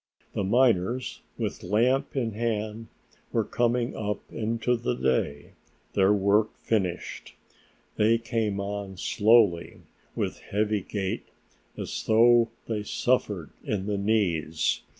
The miners, with lamp in hand, were coming up into the day, their work finished. They came on slowly, with heavy gait, as though they suffered in the knees.